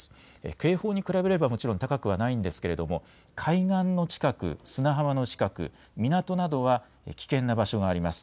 警報に比べればもちろん高くはないんですけれども海岸の近く、砂浜の近く、港などは危険な場所があります。